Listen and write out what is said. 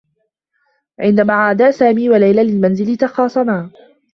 عندما عادا سامي و ليلى للمنزل، تخاصما.